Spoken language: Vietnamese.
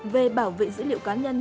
về bảo vệ dữ liệu cá nhân